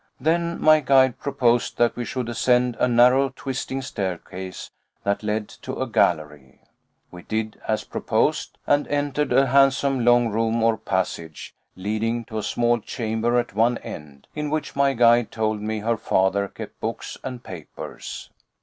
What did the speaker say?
Then my guide proposed that we should ascend a narrow twisting staircase that led to a gallery. We did as proposed, and entered a handsome long room or passage, leading to a small chamber at one end, in which my guide told me her father kept books and papers.